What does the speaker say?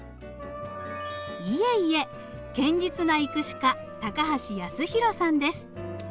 いえいえ堅実な育種家高橋康弘さんです。